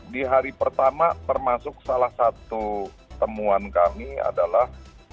di hari pertama termasuk salah satu temuan kami adalah